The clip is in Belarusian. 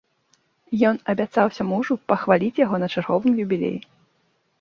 Ён абяцаўся мужу пахваліць яго на чарговым юбілеі.